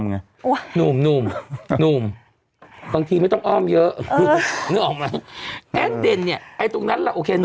คุณนายยาก็คุยกับเธอไม่ใช่เหรอ